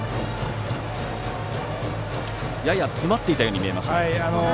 やや詰まっていたように見えましたが。